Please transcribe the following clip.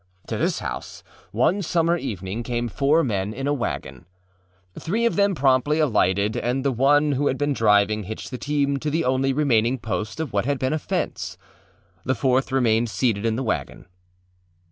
To this house, one summer evening, came four men in a wagon. Three of them promptly alighted, and the one who had been driving hitched the team to the only remaining post of what had been a fence. The fourth remained seated in the wagon.